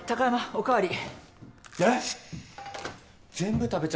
お代わり。